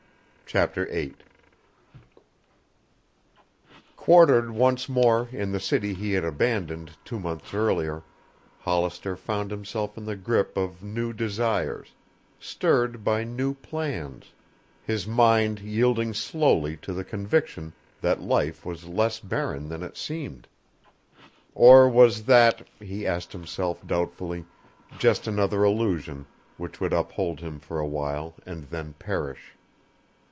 CHAPTER VIII Quartered once more in the city he had abandoned two months earlier, Hollister found himself in the grip of new desires, stirred by new plans, his mind yielding slowly to the conviction that life was less barren than it seemed. Or was that, he asked himself doubtfully, just another illusion which would uphold him for awhile and then perish?